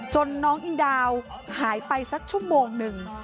น้องอิงดาวหายไปสักชั่วโมงหนึ่ง